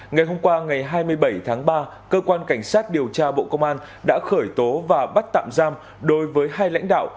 ngày hôm qua ngày hai mươi bảy tháng ba cơ quan cảnh sát điều tra bộ công an đã khởi tố và bắt tạm giam đối với hai lãnh đạo